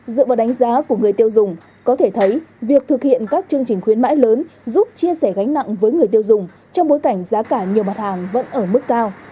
dựa vào đánh giá của người tiêu dùng có thể thấy việc thực hiện các chương trình khuyến mãi lớn giúp chia sẻ gánh nặng với người tiêu dùng trong bối cảnh giá cả nhiều mặt hàng vẫn ở mức cao